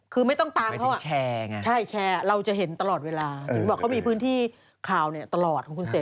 คือไม่ต้องตามเขาใช่แชร์เราจะเห็นตลอดเวลาถึงบอกเขามีพื้นที่ข่าวตลอดของคุณเสก